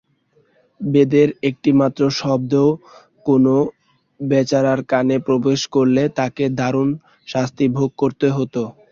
বেদের একটিমাত্র শব্দও কোন বেচারার কানে প্রবেশ করলে তাকে দারুণ শাস্তি ভোগ করতে হত।